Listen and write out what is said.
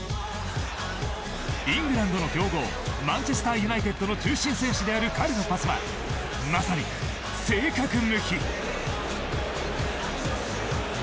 イングランドの強豪マンチェスターユナイテッドの中心選手である彼のパスはまさに正確無比。